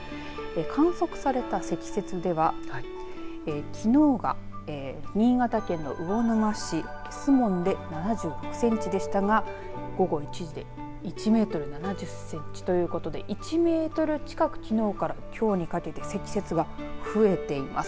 観測された積雪ではきのうが新潟県の魚沼市守門で７６センチでしたが午後１時で１メートル７０センチということで１メートル近くきのうからきょうにかけて積雪が増えています。